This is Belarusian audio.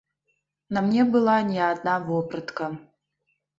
На мне была не адна вопратка.